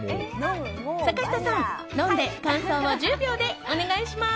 坂下さん、飲んで感想を１０秒でお願いします。